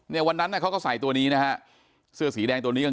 วันนั้นน่ะเขาก็ใส่ตัวนี้นะฮะเสื้อสีแดงตัวนี้ยัง